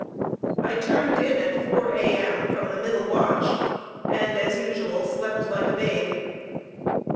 I turned in at 4 A.M. from the middle watch, and, as usual, slept like a babe.